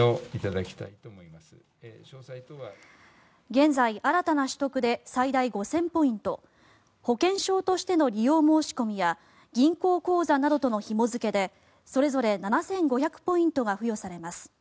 現在、新たな取得で最大５０００ポイント保険証としての利用申し込みや銀行口座などとのひも付けでそれぞれ７５００ポイントが付与されます。